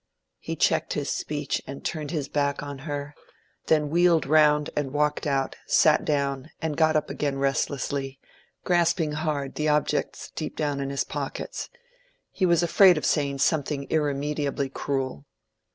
He checked his speech and turned his back on her—then wheeled round and walked about, sat down, and got up again restlessly, grasping hard the objects deep down in his pockets. He was afraid of saying something irremediably cruel.